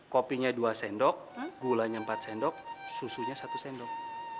kopinya dua sendok gulanya empat sendok susunya satu sendok